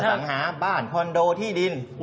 กลุ่มอสังหาบ้านคอนโดที่ดิน